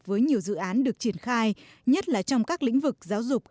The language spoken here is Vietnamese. với nhiều dự án được triển khai nhất là trong các lĩnh vực giáo dục